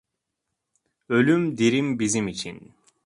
Ölüm dirim bizim için.